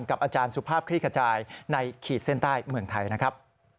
อาจารย์สุภาพคลี่ขจายในขีดเส้นใต้เมืองไทยนะครับ